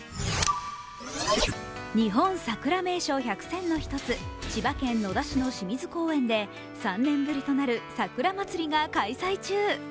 日本さくら名所１００選の１つ千葉県野田市の清水公園で３年ぶりとなるさくらまつりが開催中。